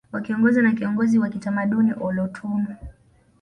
Wakiongozwa na kiongozi wa kitamaduni olotuno